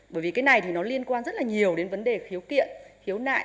bởi vì cái này thì nó liên quan rất là nhiều đến vấn đề khiếu kiện khiếu nại